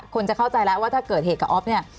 คนจะเข้าใจแล้วว่าถ้าเกิดเหตุกับอ๊อฟเนี่ย